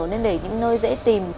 nên để những nơi dễ tìm